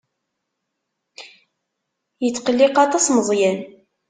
Yetqelliq aṭas Meẓyan.